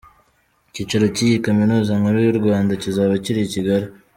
Icyicaro cy’iyi Kaminuza Nkuru y’u Rwanda kizaba kiri i Kigali.